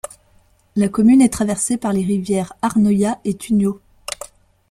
La commune est traversée par les rivières Arnoia et Tuño.